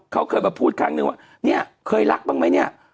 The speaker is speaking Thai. เขาเคยมาพูดครั้งนึงว่าเนี่ยเคยรักบ้างไหมเนี่ย